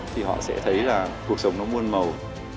thì họ sẽ thấy là cuộc sống nó muôn màu